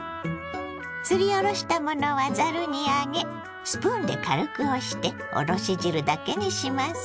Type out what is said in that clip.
すりおろしたものはざるに上げスプーンで軽く押しておろし汁だけにします。